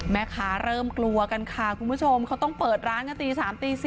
แม่ค้าเริ่มกลัวกันค่ะคุณผู้ชมเขาต้องเปิดร้านกันตี๓ตี๔